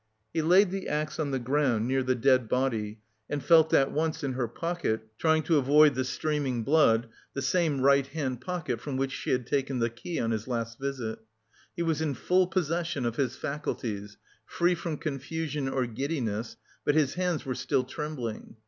He laid the axe on the ground near the dead body and felt at once in her pocket (trying to avoid the streaming body) the same right hand pocket from which she had taken the key on his last visit. He was in full possession of his faculties, free from confusion or giddiness, but his hands were still trembling.